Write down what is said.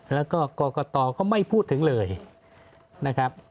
แล้วก็กรกตก็ไม่พูดถึงเลยนะครับ